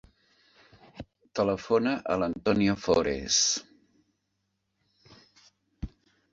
Telefona a l'Antonio Fores.